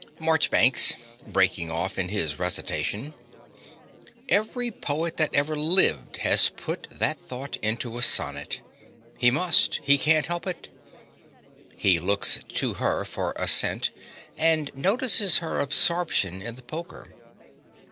MARCHBANKS (breaking off in his recitation): Every poet that ever lived has put that thought into a sonnet. He must: he can't help it. (He looks to her for assent, and notices her absorption in the poker.)